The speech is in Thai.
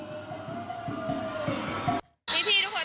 พี่ทุกคนตั้งใจมากแล้วพวกเราก็ตั้งใจที่จะไปให้ได้ในปีนี้